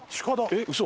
えっウソ？